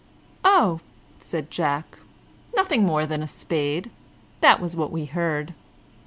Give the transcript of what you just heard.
"Oh," said Jack, "nothing more than a spade; that was what we heard."